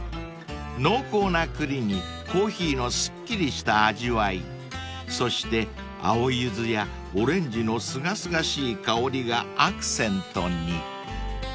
濃厚な栗にコーヒーのすっきりした味わいそして青ユズやオレンジのすがすがしい香りがアクセントに］